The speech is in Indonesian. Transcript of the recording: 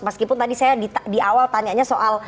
meskipun tadi saya di awal tanyanya soal